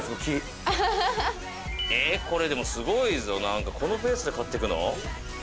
これでもすごいぞこのペースで買ってくの？